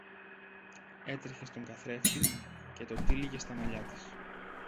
έτρεχε στον καθρέφτη και το τύλιγε στα μαλλιά της.